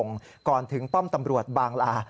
จังหวัดภูเก็ตถนนทวีวงก่อนถึงป้อมตำรวจบางลา